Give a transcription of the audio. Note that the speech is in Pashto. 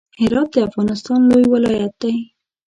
هرات د افغانستان لوی ولایت دی.